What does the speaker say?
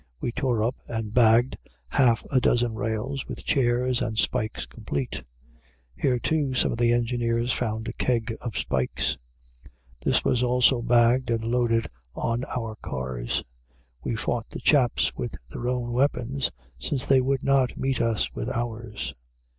We tore up and bagged half a dozen rails, with chairs and spikes complete. Here too, some of the engineers found a keg of spikes. This was also bagged and loaded on our cars. We fought the chaps with their own weapons, since they would not meet us with ours.